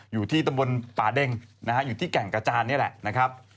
อยู่ที่ตำบลป่าเด็งนะฮะอยู่ที่แก่งกระจานนี่แหละนะครับ